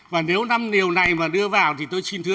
và nếu năm điều này mà đưa vào thì tôi xin thưa